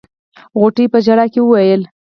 غوټۍ په ژړا کې وويل.